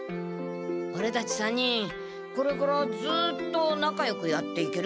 オレたち３人これからずっとなかよくやっていける？